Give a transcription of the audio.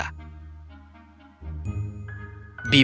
bibi mendengar ini dan sebelum berita itu menyebar